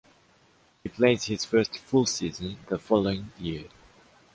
He plays his first full season the following year.